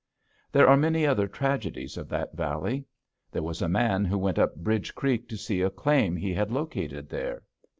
There are many other tragedies of that valley. There was a man who went up Bridge Creek to see a claim he had located there.